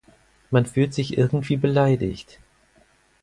Man fühlt sich irgendwie beleidigt.